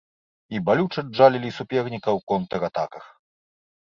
І балюча джалілі суперніка ў контратаках.